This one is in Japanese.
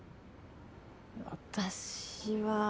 私は。